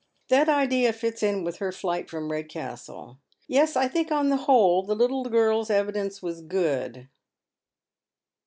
That idea fits in with her flight from Redcastle. Yes, I think on the whole the little girl's evidence was good."